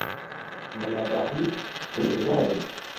مەلا باقی دەیبرژاندن